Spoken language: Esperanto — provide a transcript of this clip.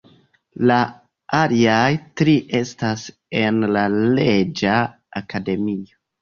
La aliaj tri estas en la Reĝa Akademio.